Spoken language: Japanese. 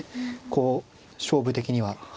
こう勝負的には。